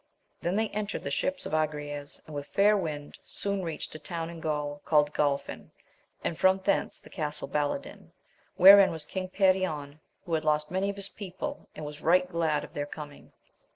Then they entered the ships of Agrayes, and with fair wind soon reached a town in Gaul, called Galfan, and from thence the Castle Baladin, wherein was King Perion, who had lost many of his people, and was right glad of their coming.